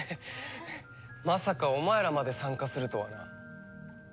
まさかお前らまで参加するとはな。